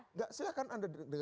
enggak silahkan anda dengar sendiri